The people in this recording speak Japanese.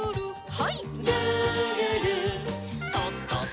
はい。